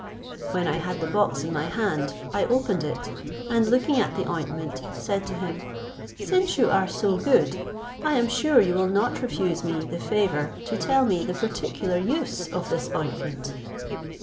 When I had the box in my hand, I opened it, and looking at the ointment, said to him, "Since you are so good, I am sure you will not refuse me the favour to tell me the particular use of this ointment."